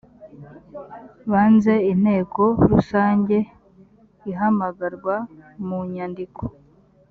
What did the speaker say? banze inteko rusange ihamagarwa mu nyandiko .